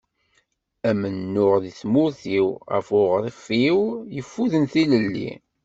Amennuɣ deg tmurt-iw, ɣef uɣref-iw yeffuden tilelli.